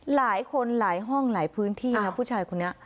หลายคนหลายห้องหลายพื้นที่นะผู้ชายคนนี้